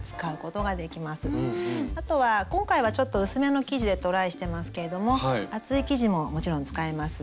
あとは今回はちょっと薄めの生地でトライしてますけれども厚い生地ももちろん使えます。